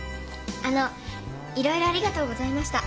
あのいろいろありがとうございました。